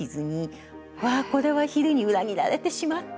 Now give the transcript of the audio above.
わあこれは昼に裏切られてしまった！